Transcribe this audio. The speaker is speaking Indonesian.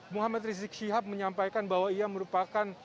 muhammad rizik syihab menyampaikan bahwa ia merupakan